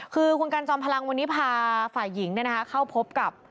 คือคุณกันจอมพลังวันนี้พาฝ่ายหญิงเข้าพบกับ